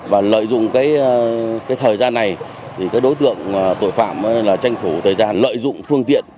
và lợi dụng cái thời gian này thì các đối tượng tội phạm tranh thủ thời gian lợi dụng phương tiện